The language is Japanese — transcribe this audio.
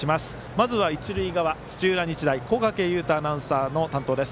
まずは一塁側、土浦日大小掛雄太アナウンサーの担当です。